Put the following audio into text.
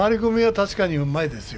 確かにうまいですよ。